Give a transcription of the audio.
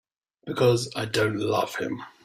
Because I don't love him.